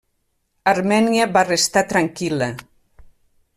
Armènia va restar tranquil·la.